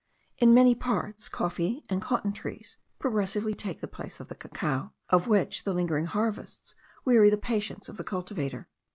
In many parts coffee and cotton trees progressively take place of the cacao, of which the lingering harvests weary the patience of the cultivator.